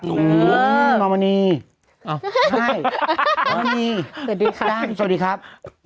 น้องมณีน้องมณีสวัสดีครับ